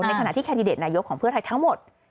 ขณะที่แคนดิเดตนายกของเพื่อไทยทั้งหมด